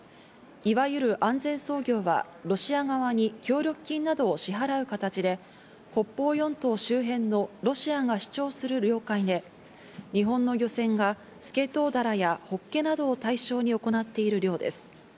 いわゆる安全操業は、ロシア側に協力金などを支払う形で北方四島周辺のロシアが主張する領海で、日本の漁船がスケトウダラやホッケなどを対象に行っている漁です。